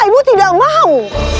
aku tidak mau